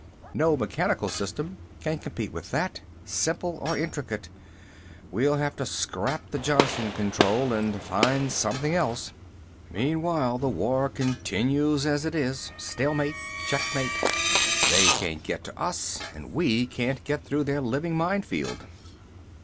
No mechanical system can compete with that, simple or intricate. We'll have to scrap the Johnson Control and find something else." "Meanwhile the war continues as it is. Stalemate. Checkmate. They can't get to us, and we can't get through their living minefield."